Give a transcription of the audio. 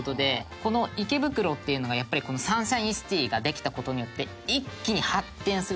この池袋っていうのがやっぱりこのサンシャインシティができた事によって。